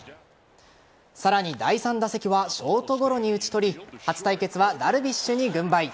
さらに第３打席はショートゴロに打ち取り初対決はダルビッシュに軍配。